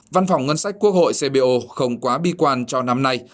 văn phòng ngân sách quốc hội cbo không quá bi quan cho năm nay